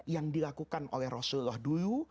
yang dilakukan oleh rasulullah dulu